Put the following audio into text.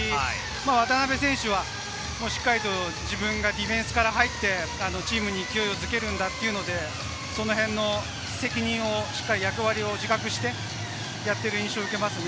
渡邊選手は自分がディフェンスから入ってチームに勢いづけるんだというので、そのへんの責任をしっかり役割を自覚している印象は受けますね。